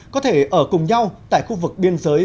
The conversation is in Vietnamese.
có thể ở cùng nhau tại khu vực biên giới